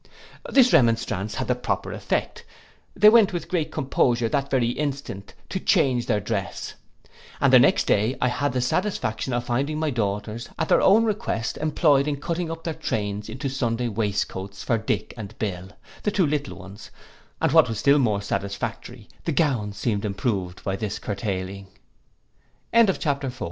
This remonstrance had the proper effect; they went with great composure, that very instant, to change their dress; and the next day I had the satisfaction of finding my daughters, at their own request employed in cutting up their trains into Sunday waistcoats for Dick and Bill, the two little ones, and what was still more satisfactory, the gowns seemed improved by this curt